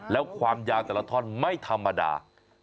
แล้วความยาวแต่ละท่อนไม่ธรรมดา